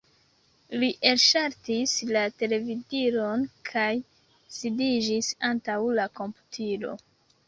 Li elŝaltis la televidilon kaj sidiĝis antaŭ la komputilo.